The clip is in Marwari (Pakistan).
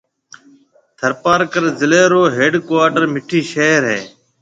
ٿرپارڪر ضلعيَ رو ھيَََڊ ڪوارٽر مٺِي شھر ھيََََ